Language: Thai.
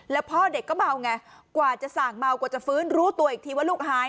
แล้วพ่อเด็กก็เมาไงกว่าจะสั่งเมากว่าจะฟื้นรู้ตัวอีกทีว่าลูกหาย